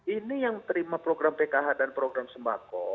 ini yang terima program pkh dan program sembako